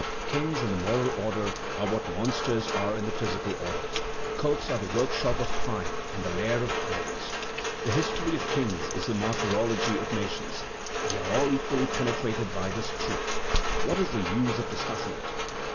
Kings, in the moral order, are what monsters are in the physical order. Courts are the workshop of crime and the lair of tyrants. The history of kings is the martyrology of nations; we are all equally penetrated by this truth. What is the use of discussing it?"